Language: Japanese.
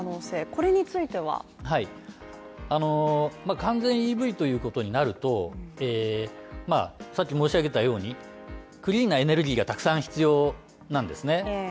完全ＥＶということになると、さっき申し上げたように、クリーンなエネルギーがたくさん必要なんですね